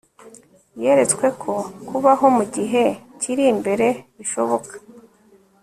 Yeretswe ko kubaho mu gihe kiri imbere bishoboka